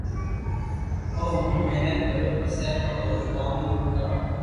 او ھون ح محنت ڪرو پسو آئرو ڪوم پورو ڪرو